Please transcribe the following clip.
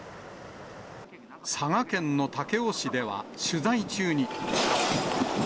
佐賀県の武雄市では取材中に。